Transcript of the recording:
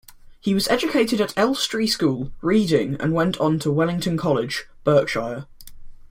He was educated at Elstree School, Reading and went on to Wellington College, Berkshire.